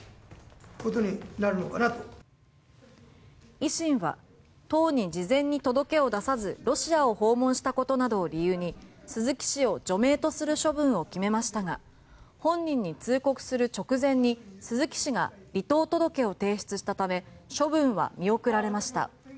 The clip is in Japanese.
維新は党に事前に届けを出さずロシアを訪問したことなどを理由に鈴木氏を除名とする処分を決めましたが本人に通告する直前に鈴木氏が離党届を提出したため処分は見送られました。